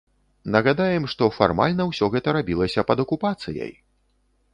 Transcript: Нагадаем, што фармальна ўсё гэта рабілася пад акупацыяй!